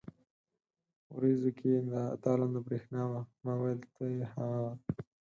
ورېځو کې تالنده برېښنا وه، ما وېل ته يې هغه.